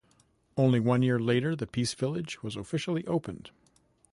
Only one year later, the Peace Village was officially opened.